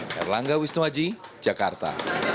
harlangga wisnuwaji jakarta